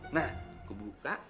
nah gue buka